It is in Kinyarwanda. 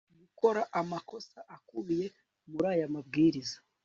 gukora amakosa akubiye muri aya mabwiriza